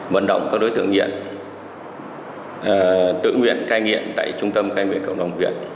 vận động các đối tượng nghiện tự nguyện cai nghiện tại trung tâm cai nguyện cộng đồng huyện